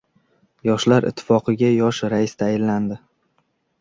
Yoshlar Ittifoqiga "yosh" rais tayinlandi